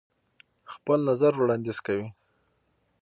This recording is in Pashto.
خپل نظر وړاندیز کوئ.